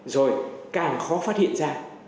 rồi càng khó phát hiện ra